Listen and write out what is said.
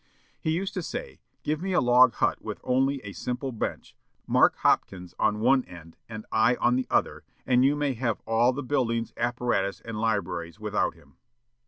He used to say, "Give me a log hut with only a simple bench, Mark Hopkins on one end and I on the other, and you may have all the buildings, apparatus, and libraries without him."